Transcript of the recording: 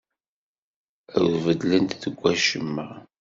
Ur beddlent deg wacemma.